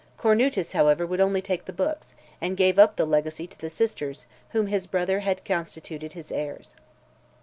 Cornutus, however, would only take the books, and gave up the legacy to the sisters, whom his brother had constituted his heirs.